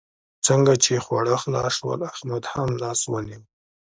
څنګه چې خواړه خلاص شول؛ احمد هم لاس ونيول.